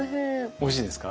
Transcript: おいしいですか？